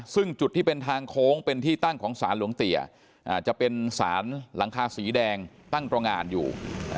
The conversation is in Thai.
ซึ่งจุดที่เป็นทางโค้งเป็นที่ตั้งของสารหลวงเตี๋ยจะเป็นสารหลังคาสีแดงตั้งตรงงานอยู่